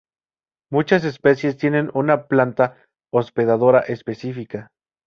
Muchas especies tienen una planta hospedadora específica.